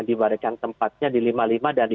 dibarikan tempatnya di lima puluh lima dan lima puluh enam